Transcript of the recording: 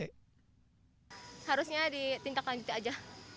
harusnya di tindak lanjuti aja